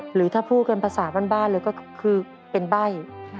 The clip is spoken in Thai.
หรือถ้าพูดกันภาษาบ้านเลยก็คือเป็นใบ้